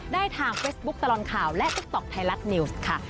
ได้ทางเฟซบุ๊คตลอดข่าวและติ๊กต๊อกไทยรัฐนิวส์ค่ะ